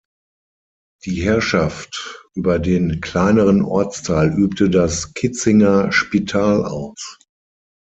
Die Herrschaft über den kleineren Ortsteil übte das Kitzinger Spital aus.